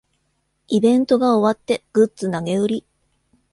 イベントが終わってグッズ投げ売り